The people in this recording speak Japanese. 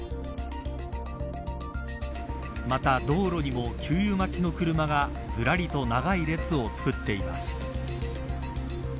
また、道路にも給油待ちの車がずらりと長い列を作っています。